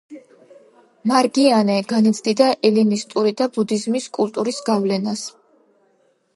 მარგიანე განიცდიდა ელინისტური და ბუდიზმის კულტურის გავლენას.